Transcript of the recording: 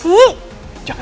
tidak ada bayangan